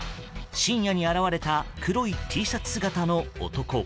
深夜に現れた黒いＴシャツ姿の男。